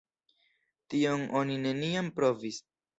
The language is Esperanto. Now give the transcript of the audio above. Tion oni neniam provis.